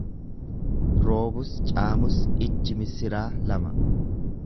Roobus caamus ijji missiraa lama.